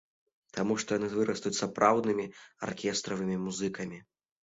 Таму што яны вырастуць сапраўднымі аркестравымі музыкамі.